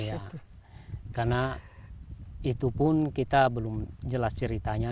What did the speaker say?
iya karena itu pun kita belum jelas ceritanya